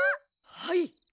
はい。